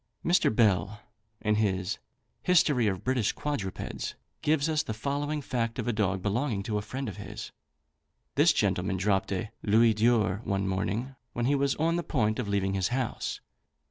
Mr. Bell, in his "History of British Quadrupeds," gives us the following fact of a dog belonging to a friend of his. This gentleman dropped a louis d'or one morning, when he was on the point of leaving his house.